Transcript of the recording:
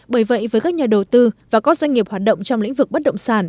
bởi vậy với các nhà đầu tư và các doanh nghiệp hoạt động trong lĩnh vực bất động sản